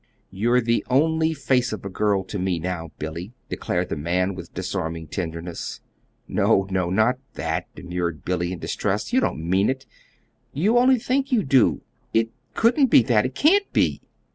"You're the only 'Face of a girl' to me now, Billy," declared the man, with disarming tenderness. "No, no, not that," demurred Billy, in distress. "You don't mean it. You only think you do. It couldn't be that. It can't be!"